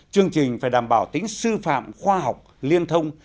chương trình phải đảm bảo tính sư phạm khoa học liên thông